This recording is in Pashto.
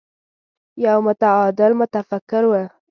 يو متعادل متفکر و.